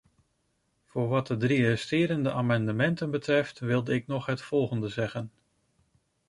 Voor wat de drie resterende amendementen betreft, wilde ik nog het volgende zeggen.